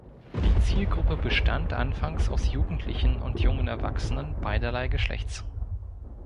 Die Zielgruppe bestand anfangs aus Jugendlichen und jungen Erwachsenen beiderlei Geschlechts.